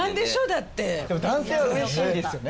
だってでも男性は嬉しいですよね